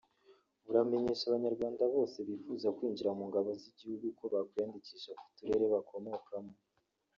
buramenyesha Abanyarwanda bose bifuza kwinjira mu ngabo z’igihugu ko bakwiyandikisha ku turere bakomokamo